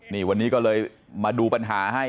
นี่วันนี้ก็เลยมาดูปัญหาให้